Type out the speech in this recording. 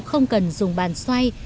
không cần dùng bàn xoay